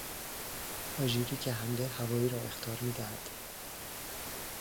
آژیری که حملهی هوایی را اخطار میدهد